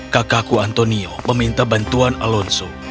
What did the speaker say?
kakakku antonio meminta bantuan alonso